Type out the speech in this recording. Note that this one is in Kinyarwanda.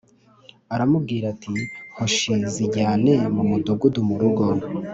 aramubwira ati “Hoshi zijyane mu mudugudu mu rugo.”